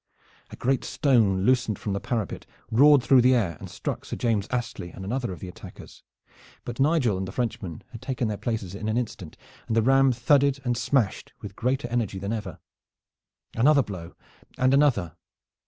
A great stone loosened from the parapet roared through the air and struck Sir James Astley and another of the attackers, but Nigel and the Frenchman had taken their places in an instant, and the ram thudded and smashed with greater energy than ever. Another blow and another!